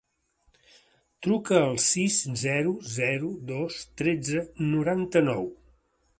Truca al sis, zero, zero, dos, tretze, noranta-nou.